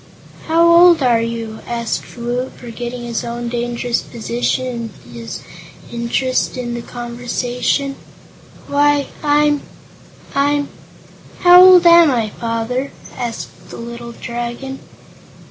"How old are you now?" asked Woot, forgetting his own dangerous position in his interest in the conversation. "Why, I'm I'm How old am I, Father?" asked the little Dragon.